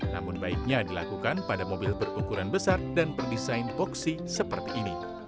namun baiknya dilakukan pada mobil berukuran besar dan berdesain boxy seperti ini